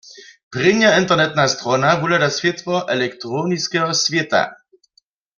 Prěnja internetna strona wuhlada swětło elektroniskeho swěta.